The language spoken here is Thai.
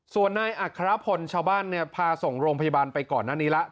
ส่วนนายอัครพลชาวบ้านเนี่ยพาส่งโรงพยาบาลไปก่อนหน้านี้แล้ว